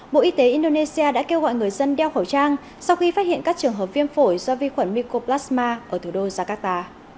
bộ y tế indonesia đã kêu gọi người dân đeo khẩu trang sau khi phát hiện các trường hợp viêm phổi do vi khuẩn mycoplasma ở thủ đô jakarta